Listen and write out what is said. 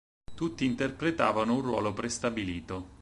Tutti interpretavano un ruolo prestabilito.